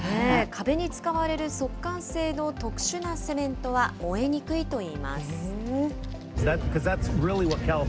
壁に使われる速乾性の特殊なセメントは燃えにくいといいます。